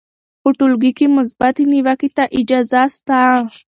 په ټولګي کې مثبتې نیوکې ته اجازه سته.